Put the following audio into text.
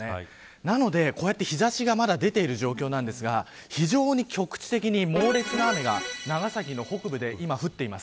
なので、こうやって日差しがまだ出ている状況ですが非常に局地的に猛烈な雨が長崎の北部で今降っています。